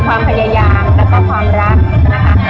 ความพยายามแล้วก็ความรักนะคะ